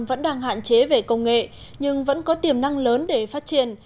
vẫn đang hạn chế về công nghệ nhưng vẫn có tiềm năng lớn để phát triển